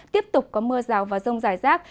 tiếp tục có mưa rào và rông dài rác